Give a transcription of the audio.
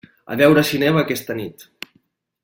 A veure si neva aquesta nit.